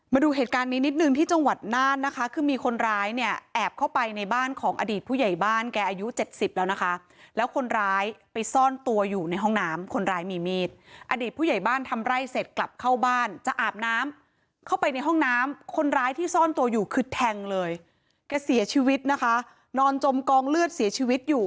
มาดูเหตุการณ์นี้นิดนึงที่จังหวัดน่านนะคะคือมีคนร้ายเนี่ยแอบเข้าไปในบ้านของอดีตผู้ใหญ่บ้านแกอายุเจ็ดสิบแล้วนะคะแล้วคนร้ายไปซ่อนตัวอยู่ในห้องน้ำคนร้ายมีมีดอดีตผู้ใหญ่บ้านทำไร่เสร็จกลับเข้าบ้านจะอาบน้ำเข้าไปในห้องน้ำคนร้ายที่ซ่อนตัวอยู่คือแทงเลยแกเสียชีวิตนะคะนอนจมกองเลือดเสียชีวิตอยู่